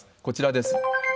こちらです。